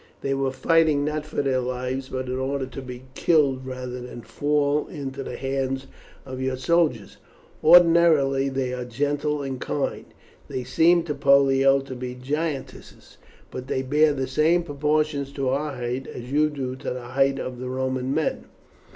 They were fighting, not for their lives, but in order to be killed rather than fall into the hands of your soldiers. Ordinarily they are gentle and kind. They seemed to Pollio to be giantesses, but they bear the same proportion to our height as you do to the height of the Roman men."